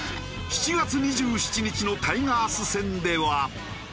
７月２７日のタイガース戦では。